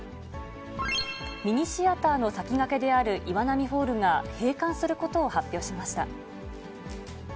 ミニシアターの先駆けである岩波ホールが、閉館することを発表しました。